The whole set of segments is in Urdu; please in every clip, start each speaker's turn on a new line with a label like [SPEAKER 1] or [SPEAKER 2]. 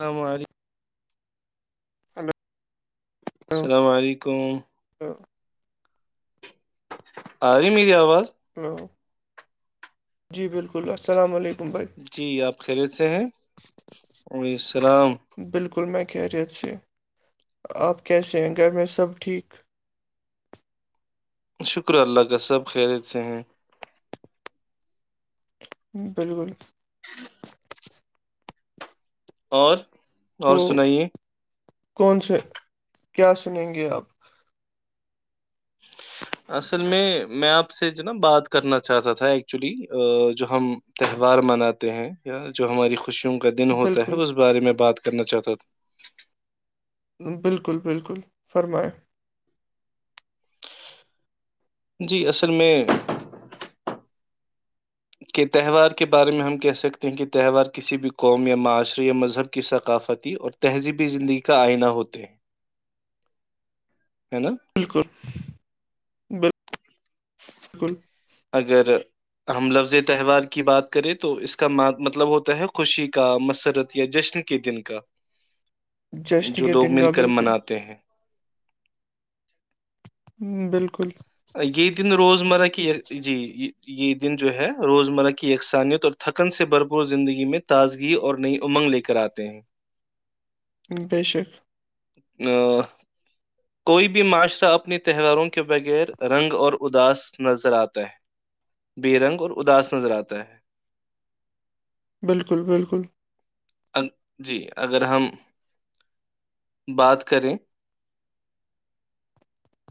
[SPEAKER 1] اسلام علیکم
[SPEAKER 2] ہلو
[SPEAKER 1] السلام علیکم
[SPEAKER 2] تو
[SPEAKER 1] آ رہی میری آواز
[SPEAKER 2] ہو جی بالکل السلام علیکم بھائی
[SPEAKER 1] جی آپ خیریت سے ہیں وعی السلام
[SPEAKER 2] بالکل میں خیریت سے آپ کیسے ہیں گھر میں سب ٹھیک
[SPEAKER 1] شکر اللہ کا سب خریت سے ہیں
[SPEAKER 2] بالکل
[SPEAKER 1] اور
[SPEAKER 2] تو
[SPEAKER 1] اور سنائیے
[SPEAKER 2] کون سے کیا سنیں گے آپ
[SPEAKER 1] اصل میں میں آپ سے جو نا بات کرنا چاہتا تھا ایکچولی جو ہم تہوار مناتے ہیں یا جو ہماری خوشیوں کا دن ہوتا
[SPEAKER 2] بالکل
[SPEAKER 1] ہے اس بارے میں بات کرنا چاہتا تھا
[SPEAKER 2] بالکل بالکل فرمایں
[SPEAKER 1] جی اصل میں کہ تہوار کے بارے میں ہم کہہ سکتے ہیں کہ تہوار کسی بھی قوم یا معاشرے یا مذہب کی ثقافتی اور تہذیبی زندگی کا آئینہ ہوتے ہیں ہے نا
[SPEAKER 2] بالکل بالکل
[SPEAKER 1] اگر ہم لفظ تہوار کی بات کریں تو اس کا مطلب ہوتا ہے خوشی کا مسرت یا جشن کے دن کا
[SPEAKER 2] جشن
[SPEAKER 1] جو
[SPEAKER 2] کے
[SPEAKER 1] لوگ
[SPEAKER 2] دن
[SPEAKER 1] مل
[SPEAKER 2] کا
[SPEAKER 1] کر
[SPEAKER 2] بالکل
[SPEAKER 1] مناتے ہیں
[SPEAKER 2] بالکل
[SPEAKER 1] اکی دن روز مرہ کی جی یہ دن جو ہے روزمرہ کی یکسانیت اور تھکن سے بھرپور زندگی میں تازگی اور نئی امنگ لےگ کراتے ہیں
[SPEAKER 2] بے شک
[SPEAKER 1] ہاں کوئی بھی معاشرہ اپنی تہواروں کے بغیر رنگ اور اداس نظر آتا ہے بے رنگ اور اداس نظر آتا ہے
[SPEAKER 2] بالکل بالکل
[SPEAKER 1] جی اگر ہم بات کریں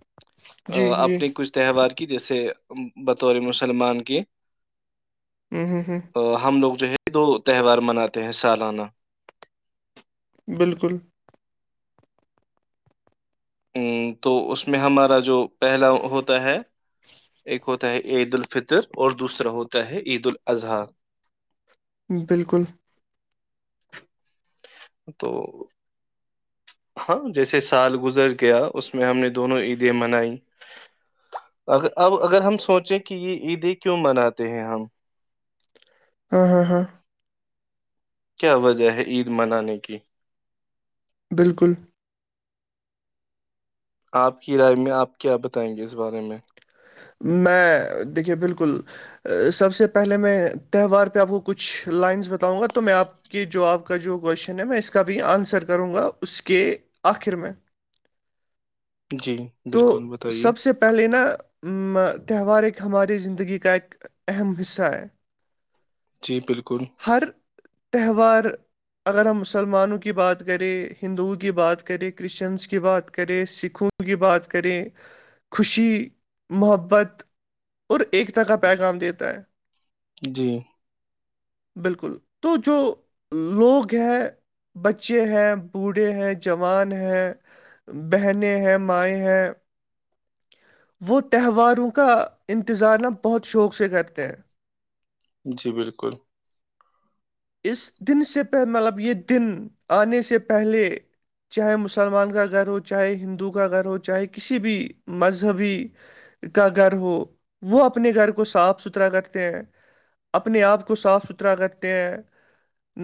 [SPEAKER 2] [inaudible] جی
[SPEAKER 1] اپنے کچھ تہوار کی جیسے بطور مسلمان کے
[SPEAKER 2] ہوں ہوں ہوں
[SPEAKER 1] ہم لوگ جو ہے دو تہوار مناتے ہیں سالانہ
[SPEAKER 2] بالکل
[SPEAKER 1] ا تو اس میں ہمارا جو پہلا ہوتا ہے ایک ہوتا ہے عید الفطر اور دوسرا ہوتا ہے عید الاضحی
[SPEAKER 2] بالکل
[SPEAKER 1] تو ہاں جیسے سال گزر گیا اس میں ہم نے دونوں عیدیں منائی اگر اب اگر ہم سوچیں کہ یہ عیدیں کیوں مناتے ہیں ہم
[SPEAKER 2] ہاں ہاں ہاں
[SPEAKER 1] کیا وجہ ہے عید منانے کی
[SPEAKER 2] بالکل
[SPEAKER 1] آپ کی رائے میں آپ کیا بتائیں گے اس بارے میں
[SPEAKER 2] میں دیکھیے بالکل سب سے پہلے میں تہوار پہ آپ کو کچھ لائنس بتاؤں گا تو میں آپ کہ جو آپ کا جو کوشچن ہے میں اس کا بھی آنسر کروں گا اس کے آخر میں
[SPEAKER 1] جی
[SPEAKER 2] تو
[SPEAKER 1] بالکل بتائیے
[SPEAKER 2] سب سے پہ پہلے نا تہوار ایک ہماری زندگی کا ایک اہم حصہ ہے
[SPEAKER 1] جی بالکل
[SPEAKER 2] ہر تہوار اگر ہم مسلمانوں کی بات کریں ہندوؤں کی بات کریں کرسچنس کی بات کریں سکھوں کی بات کریں خوشی محبت اور ایکتا کا پیغام دیتا ہے
[SPEAKER 1] جی
[SPEAKER 2] بالکل تو جو لوگ ہیں بچے ہیں بوڑھے ہیں جوان ہیں بہنیں ہیں مائیں ہیں وہ تہواروں کا انتظار ن بہت شوق سے کرتے ہیں
[SPEAKER 1] جی بالکل
[SPEAKER 2] اس دن سے پہ مطلب یہ دن آنے سے پہلے چاہے مسلمان کا گھر ہو چاہے ہندو کا گھر ہو چاہے کسی بھی مذہبی کا گھر ہو وہ اپنے گھر کو صاف ستھرا کرتے ہیں اپنے آپ کو صاف ستھرا رتے ہیں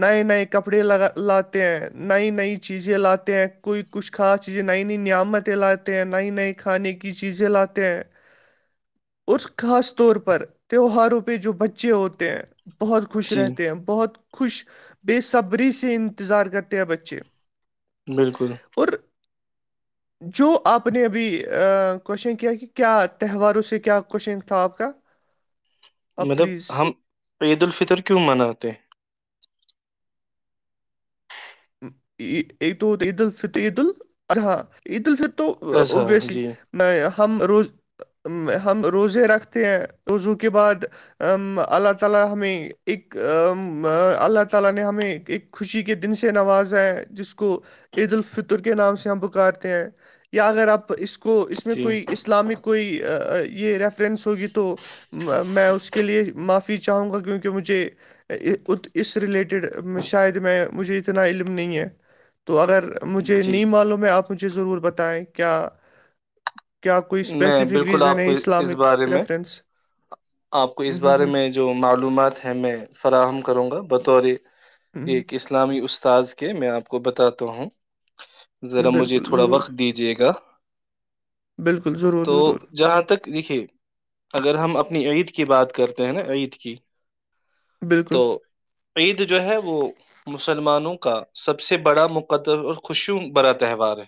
[SPEAKER 2] نئے نئے کپڑے ل لاتے ہیں نئی نئی چیزیں لاتے ہیں کوئی کچھ خاص چیزیں نئی نئی نعمتیں لاتے ہیں نئی نئی کھانے کی چیزیں لاتے ہیں
[SPEAKER 1] [inaudible]
[SPEAKER 2] اور خاص طور پر تہواروں پہ جو بچے ہوتے ہیں بہت خوش
[SPEAKER 1] جی
[SPEAKER 2] رہتے ہیں بہت خوش بےصبری سے انتظار کرتے ہیں بچے
[SPEAKER 1] بالکل
[SPEAKER 2] اور
[SPEAKER 1] [inaudible]
[SPEAKER 2] جو آپ نے ابھی کوشچن کیا کہ کیا تہواروں سے کیا کوشچنگ تھا آپ کا آپ
[SPEAKER 1] مطلب
[SPEAKER 2] پلیز
[SPEAKER 1] ہم عید الفطر کیوں مناتے ہیں
[SPEAKER 2] تو عید ال ف عید ہاں عید الف تو
[SPEAKER 1] اضحیٰ
[SPEAKER 2] ابسلی
[SPEAKER 1] جی
[SPEAKER 2] میں ہم روز ہم روزے رکھتے ہیں روزو کے بعد اللہ تعالی ہمیں ایک اللہ تعالی نے ہمیں ایک نوازیں ہیں جس کو عید الفطر کے نام سے ہم پکارتے ہیں یا اگر آپ اس کو کو اس میں
[SPEAKER 1] جی
[SPEAKER 2] کوئی اسلامک کوئی یہ ریف س ہوگی تو میں اس کے لیے معاف چاہوں گا کیونکہ مجھے اس ریلیٹڈ شاید میں مجھے اس اتنا علم نہیں ہے تو اگر مجھے
[SPEAKER 1] جی
[SPEAKER 2] نیم معلوم ہے آپ مجھے ضرور بتائیں کیا کیا کوئی
[SPEAKER 1] میں
[SPEAKER 2] اسپیسیفک
[SPEAKER 1] بالکل
[SPEAKER 2] ریزن
[SPEAKER 1] آپ
[SPEAKER 2] ہے
[SPEAKER 1] کو اس
[SPEAKER 2] اسلامک
[SPEAKER 1] بارے میں
[SPEAKER 2] پریفرنس
[SPEAKER 1] آپ کو اس بارے میں جو معلومات ہے میں فراہم کروں گا بطور یہ کس اسلامی استاذ کے میں آپ کو بتاتا ہوں ذرا مجھے
[SPEAKER 2] بالکل
[SPEAKER 1] تھوڑا
[SPEAKER 2] ضرور
[SPEAKER 1] وقت دیجیے گا
[SPEAKER 2] بالکل ضرور
[SPEAKER 1] تو
[SPEAKER 2] ضرور
[SPEAKER 1] جہاں تک دیکھیے اگر ہم اپنی عید کی بات کرتے ہیں نا عید کی
[SPEAKER 2] بالکل
[SPEAKER 1] تو عید جو ہے وہ مسلمانوں کا سب سے بڑا مقدر اور خوشی برا تہوار ہے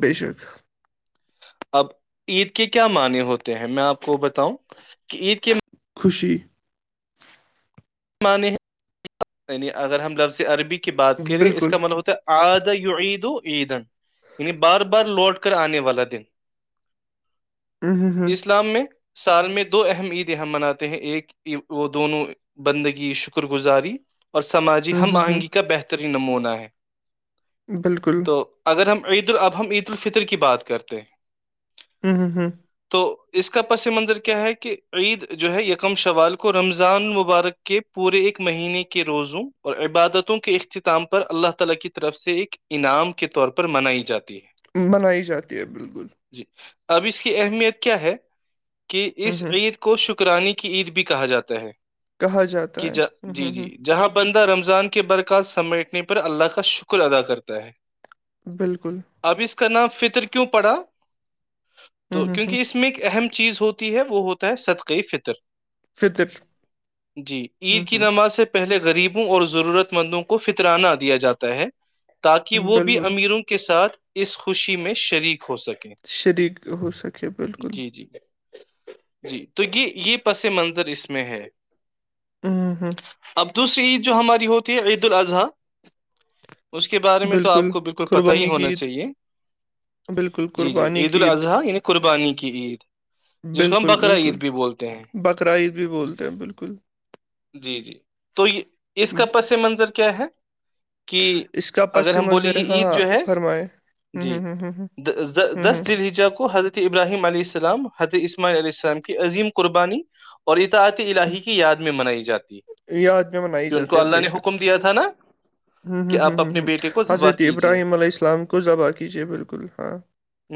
[SPEAKER 2] ب شک
[SPEAKER 1] اب عید کے کیا معنی ہوتے ہیں میں آپ کو بتاؤں کہ عید کے
[SPEAKER 2] خوشی
[SPEAKER 1] مان ہیںیعنی اگر ہم لفظ عربی کی بات کریں اس
[SPEAKER 2] بالکل
[SPEAKER 1] کا مطلب ہوتا ہے آد عید و عیدن یعنی بار بار لوٹ کر آنے والا دن
[SPEAKER 2] ہوں ہوں
[SPEAKER 1] اسلام میں سال میں دو اہم عیدیں ہم مناتے ہیں ایک وہ دونوں بندگی شکر گزاری اور سماجی
[SPEAKER 2] ہوں
[SPEAKER 1] ہم
[SPEAKER 2] ہوں ہوں
[SPEAKER 1] آہنگی کا بہترین نمونہ ہے
[SPEAKER 2] بالکل
[SPEAKER 1] تو اگر ہم عید ال اب ہم عید الفطر کی بات کرتے ہیں
[SPEAKER 2] ہوں ہ ہوں
[SPEAKER 1] تو اس کا پس منظر کیا ہے کہ عید جو ہے یکم شوال کو رمضان و ورک کی پوری ایک مہینے کے روزوں اور عبادتوں کے اختتام پر اللہ تعالی کی طرف سے ایک انعام کے طور پر منائی جاتی ہے
[SPEAKER 2] بنائی جاتی ہے بالکل
[SPEAKER 1] جی اب اس کی اہمیت کیا ہے کہ
[SPEAKER 2] ہوں
[SPEAKER 1] اس
[SPEAKER 2] ہوں
[SPEAKER 1] عید کو شکرانی کی عید بھی کہا جاتا ہے
[SPEAKER 2] کہا جاتا
[SPEAKER 1] کہ
[SPEAKER 2] ہے
[SPEAKER 1] ج
[SPEAKER 2] ہوں
[SPEAKER 1] جی
[SPEAKER 2] ہوں
[SPEAKER 1] جی
[SPEAKER 2] ہوں
[SPEAKER 1] جہاں بندہ رمضان کے برکات سمیٹنے پر اللہ کا شکر ادا کرتا ہے
[SPEAKER 2] بالکل
[SPEAKER 1] اب اس کا نام فطر کیوں پڑا تو
[SPEAKER 2] ہوں ہوں ہوں
[SPEAKER 1] کیونکہ اس میں ایک اہم چیز ہوتی ہے وہ ہوتا ہے صدقے فطر
[SPEAKER 2] فطرک
[SPEAKER 1] جی عید کی نماز سے پہلے غریبوں اور ضرورت مندوں کو فطرانہ دیا جاتا ہے تاکہ وہ بھی
[SPEAKER 2] بالکل
[SPEAKER 1] امیروں کے ساتھ اس خوشی میں شریک ہو سکے
[SPEAKER 2] شریک ہو سکیا بالکل
[SPEAKER 1] جی جی جی تو یہ یہ پس منظر اس میں ہے
[SPEAKER 2] اوں ہوں
[SPEAKER 1] اب دوسری عید جو ہماری ہوتی ہے عید الاضحی اس کے بارے میں تو آپ کو بالکل پتا ہی
[SPEAKER 2] قربانی کی
[SPEAKER 1] ہونا
[SPEAKER 2] عید
[SPEAKER 1] چاہیے
[SPEAKER 2] بالکل
[SPEAKER 1] جی جی
[SPEAKER 2] قربانی
[SPEAKER 1] عید
[SPEAKER 2] کی
[SPEAKER 1] الاضحی یعنی قربانی کی عید جس کو ہم بکرا عید بھی بولتے ہیں
[SPEAKER 2] بقر عید بھی بولتے ہیں بالکل
[SPEAKER 1] جی جی تو یہ اس کا پس منظر کیا ہے کہ
[SPEAKER 2] اس کا
[SPEAKER 1] اگر
[SPEAKER 2] پس
[SPEAKER 1] ہم بولیں
[SPEAKER 2] منظر
[SPEAKER 1] گے
[SPEAKER 2] ہے ہاں
[SPEAKER 1] عید
[SPEAKER 2] ہاں
[SPEAKER 1] جو ہے
[SPEAKER 2] فرمائے ہوں
[SPEAKER 1] جی
[SPEAKER 2] ہوں ہوں ہوں ہوں ہوں
[SPEAKER 1] دس دجا کو ہر ابراہیم علییہ السلام حت اسماعی عیہ السلام کی عظیم قربانی اور اطاعتی
[SPEAKER 2] ہوں
[SPEAKER 1] الہی کی آدمی منائی جاتی
[SPEAKER 2] یاد میں منائی
[SPEAKER 1] کہ ان
[SPEAKER 2] جاتے
[SPEAKER 1] کو
[SPEAKER 2] ہیں
[SPEAKER 1] اللہ
[SPEAKER 2] بے
[SPEAKER 1] نے
[SPEAKER 2] شک
[SPEAKER 1] حکم دیا تھا نا
[SPEAKER 2] ہوں
[SPEAKER 1] کہ
[SPEAKER 2] ہوں ہوں
[SPEAKER 1] آپ
[SPEAKER 2] ہوں
[SPEAKER 1] اپنے
[SPEAKER 2] ہوں
[SPEAKER 1] بیٹے کو ذبح
[SPEAKER 2] حضرت
[SPEAKER 1] کیجیے
[SPEAKER 2] ابراہیم علیہ السلام کو ذبح کیجیے بالکل ہاں
[SPEAKER 1] ہ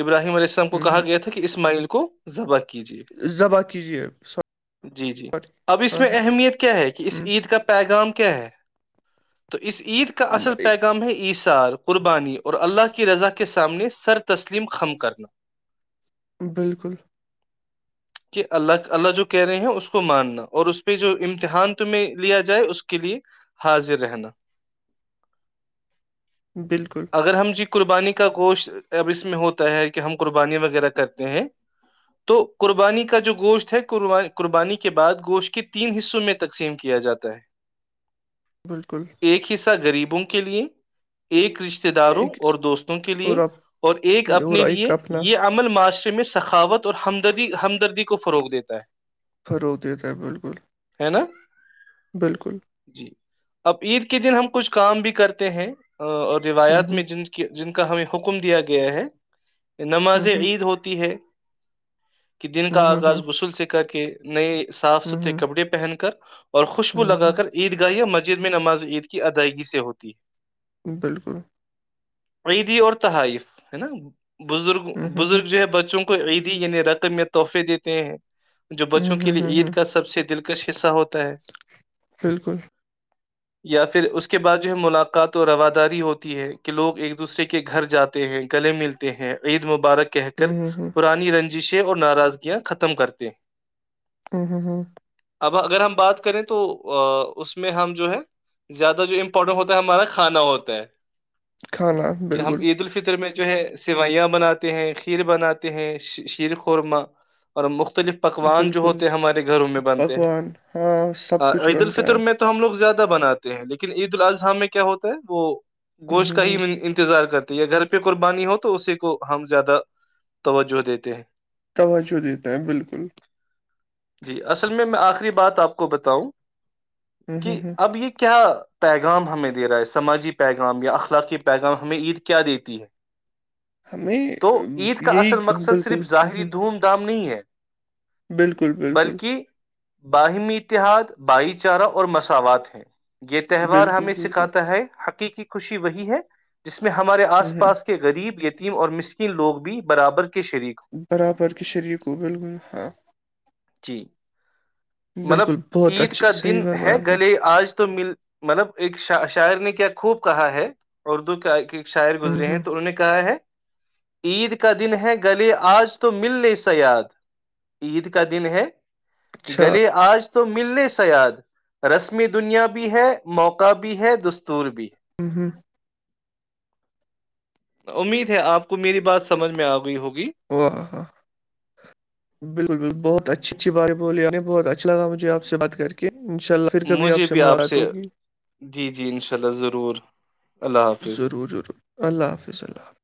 [SPEAKER 1] ابراہیم علیہ اللام کو
[SPEAKER 2] ہوں
[SPEAKER 1] کہا
[SPEAKER 2] ہوں
[SPEAKER 1] گیا تھا کہ اسماعیل کو ذبح کیجیے
[SPEAKER 2] ذبح کیجیے
[SPEAKER 1] جی جی اب اس
[SPEAKER 2] ہاں
[SPEAKER 1] میں
[SPEAKER 2] ہاں
[SPEAKER 1] اہمیت کیا ہے کہ اس
[SPEAKER 2] ہوں
[SPEAKER 1] عید کا پیغام کیا ہے تو اس عید کا اصل پیغام ہے عصار قربانی اور اللہ کی رضا کے سامنے سر تسلیم خم کرنا
[SPEAKER 2] بالکل
[SPEAKER 1] کہ اللہ اللہ جو کہہ رہے ہیں اس کو کو ماننا اور اس پہ جو امتحان تمہ لیا جائے اس کے لیے حاضر رہنا
[SPEAKER 2] بالکل
[SPEAKER 1] اگر ہم جی قربانی کا گوشت اب اس میں ہوتا ہے کہ ہم قربانی وغیرہ کرتے ہیں تو قربانی کا جو گوشت ہے قربانی کی کے بعد گوشت کے تین حصوں میں تقسیم کیا جاتا ہے
[SPEAKER 2] بالکل
[SPEAKER 1] ایک حصہ گغریبوں کے لیے ایک رشتے رشتے داروں
[SPEAKER 2] ایک
[SPEAKER 1] اور دوستوں کے لیے
[SPEAKER 2] اور آپ
[SPEAKER 1] اور ایک اپنے
[SPEAKER 2] اور ایک
[SPEAKER 1] لیے
[SPEAKER 2] اپنا
[SPEAKER 1] یہ ہم ل معاشرے میں سخاوت اورد ہمدردی کو فروغ دیتا ہے
[SPEAKER 2] خھرو دیتا ہے بالکل
[SPEAKER 1] ہے نا
[SPEAKER 2] بالکل
[SPEAKER 1] جی اب عید کے دن ہم کچھ کام بھی کرتے ہیں اور
[SPEAKER 2] ہوں
[SPEAKER 1] روایات میں جن جن کا ہمیں حکم دیا گیا ہے
[SPEAKER 2] ہوں
[SPEAKER 1] نمازیں
[SPEAKER 2] ہوں
[SPEAKER 1] عید ہوتی ہے کہ دن
[SPEAKER 2] ہوں
[SPEAKER 1] کا
[SPEAKER 2] ہوں
[SPEAKER 1] آغاز
[SPEAKER 2] ہوں
[SPEAKER 1] غسل سے کر کے نئے صاف
[SPEAKER 2] ہوں
[SPEAKER 1] ستھھرے
[SPEAKER 2] ہوں
[SPEAKER 1] کپڑے پہن کر اور
[SPEAKER 2] ہوں
[SPEAKER 1] خوشبو
[SPEAKER 2] ہوں
[SPEAKER 1] لگا کر عید یا مسجد میں نماز عید کی ادائیگی سے ہوتی ہے
[SPEAKER 2] بالکل
[SPEAKER 1] عیدی اور تحائف ہے نا بزرگ
[SPEAKER 2] ہوں ہوں ہوں
[SPEAKER 1] بزرگ جو ہے بچوں کو عیدی یعنی رقم میں تحفے دیتے ہیں جو بچوں
[SPEAKER 2] ہوں
[SPEAKER 1] کے
[SPEAKER 2] ہوں
[SPEAKER 1] لیے
[SPEAKER 2] ہوں
[SPEAKER 1] عید
[SPEAKER 2] ہوں
[SPEAKER 1] کا سب سے دل کچ حصہ ہوتا ہے
[SPEAKER 2] بالکل
[SPEAKER 1] یا پھر اس کے بعد جو ہے ملاقات و رواداری ہوتی ہے کہ لوگ ایک دوسرے کے گھر جاتے ہیں گلے ملتے ہیں عید مبارک کہ کر
[SPEAKER 2] ہوں ہوں ہوں
[SPEAKER 1] پرانی رنجشیں اور ناراضگیاں ختم کرتے ہیں
[SPEAKER 2] ہ ہاں ہاں
[SPEAKER 1] اب اگر ہم بات کریں تو اس میں ہم جو ہے زیادہ جو امپورٹنٹ ہوتا ہے ہمارا کھانا ہوتا ہے
[SPEAKER 2] کھانا
[SPEAKER 1] کہ ہم
[SPEAKER 2] بالکل
[SPEAKER 1] عید الفطر میں جو ہے سوئیاں بناتے ہیں کھیر بناتے ہیں شیر خورما اور مختلف پکوان جو
[SPEAKER 2] بالکل
[SPEAKER 1] ہوتے ہیں ہمارے گھروں میں بنتے ہیں
[SPEAKER 2] پکوان ہاں سب کچھ
[SPEAKER 1] عید
[SPEAKER 2] بنتا
[SPEAKER 1] الفطر
[SPEAKER 2] ہے
[SPEAKER 1] میں تو ہم لوگ زیادہ بناتے ہیں لیکن عید میں کیا ہوتا ہے وہ
[SPEAKER 2] ہوں
[SPEAKER 1] گوشت
[SPEAKER 2] ہوں
[SPEAKER 1] کا ہی
[SPEAKER 2] ہوں
[SPEAKER 1] انتظار کرتے تو یا گھر پہ قربانی ہو تو اسی کو ہم زیادہ توجہ دیتے ہیں
[SPEAKER 2] ت چو دیتا ہیں بالکل
[SPEAKER 1] جی اصل میں میں آخری بات آپ کو بتاؤں
[SPEAKER 2] ہوں ہوں
[SPEAKER 1] کہ
[SPEAKER 2] ہوں
[SPEAKER 1] اب یہ کیا پیغام ہمیں دے رہا ہے سماجی پیغام یا اخلاقی پیغام ہمیں عید کیا دیتی ہے
[SPEAKER 2] ہمیں
[SPEAKER 1] تو عید
[SPEAKER 2] ام،
[SPEAKER 1] کا
[SPEAKER 2] یہی
[SPEAKER 1] اصل مقصد
[SPEAKER 2] بالکل
[SPEAKER 1] صرف
[SPEAKER 2] ہوں
[SPEAKER 1] ظاہری
[SPEAKER 2] ہوں
[SPEAKER 1] دھوم دھام نہیں ہے
[SPEAKER 2] بالکل بالکل
[SPEAKER 1] بلکہ باہمی اتحاد بھائی چارہ اور مساوات ہیں یہ تہوار
[SPEAKER 2] بالکل
[SPEAKER 1] ہمیں
[SPEAKER 2] بالکل ہوں
[SPEAKER 1] سکھاتا ہے حقیقی خوشی وہی ہے جس میں ہمارے آس
[SPEAKER 2] ہوں
[SPEAKER 1] پاس کے غریب یتیم اور مسکن لوگ بھی برابر کے شریک ہ
[SPEAKER 2] برابر کے شریک کو بالکل ہاں
[SPEAKER 1] جی مطلب
[SPEAKER 2] بالکل بہت
[SPEAKER 1] عید
[SPEAKER 2] اچھے
[SPEAKER 1] کا
[SPEAKER 2] صحیح
[SPEAKER 1] دن
[SPEAKER 2] فرمایا
[SPEAKER 1] ہے
[SPEAKER 2] آپ نے
[SPEAKER 1] گلے آج تو مل مطلب ایک شاعر نے کیا خوب کہا ہے اردو کا ایک شاعر
[SPEAKER 2] ہوں
[SPEAKER 1] گزرے ہیں
[SPEAKER 2] ہوں
[SPEAKER 1] تو انہوں نے کہا ہے عید کا دن ہے گلی آج تو مل ل سا یاد عید کا دن ہے
[SPEAKER 2] اچھا
[SPEAKER 1] گلے آج تو ملنے سیاد رسم دنیا بھی ہے موقع بھی ہے دستور بھی
[SPEAKER 2] ہوں ہوں
[SPEAKER 1] امید ہے آپ کو میری بات سمجھ میں آ گئی ہوگی
[SPEAKER 2] وہ بالکل بال بہت اچھی اچھی بات بلی نے بہت اچھا لاجھے آپ بات کر کے ان شاء اللہ پھر کبھی
[SPEAKER 1] مجھے بھی آپ
[SPEAKER 2] ملاقات
[SPEAKER 1] سے
[SPEAKER 2] ہوگی
[SPEAKER 1] جی جی ان شاء اللہ ضرور اللہ حافظ
[SPEAKER 2] ضرور ضرور اللہ حافظلام